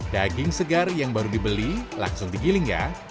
daging segar yang baru dibeli langsung digiling ya